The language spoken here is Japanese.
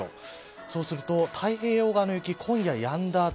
そうすると太平洋側の雪、今夜やんだ